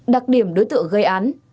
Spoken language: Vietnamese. đặc điểm đối tượng gây án